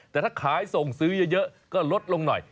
แต่ถ้าขายส่งซื้อเยอะก็ลดลงหน่อย